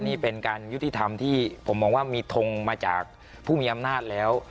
นี่เป็นการยุติธรรมที่ผมมองว่ามีทงมาจากผู้มีอำนาจแล้ว